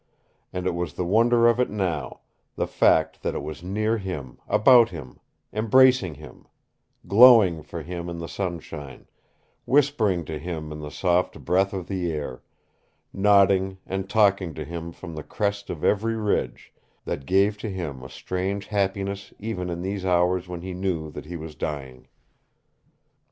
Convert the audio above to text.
And it was the wonder of it now, the fact that it was near him, about him, embracing him, glowing for him in the sunshine, whispering to him in the soft breath of the air, nodding and talking to him from the crest of every ridge, that gave to him a strange happiness even in these hours when he knew that he was dying.